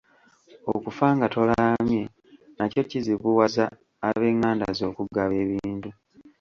Okufa nga tolaamye nakyo kizibuwaza abengandazo okugaba ebintu.